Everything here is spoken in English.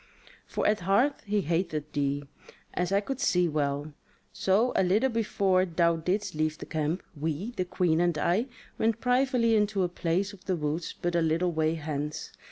For at heart he hateth thee, as I could see well. So a little before thou didst leave the camp, we, the Queen and I, went privily into a place of the woods but a little way hence.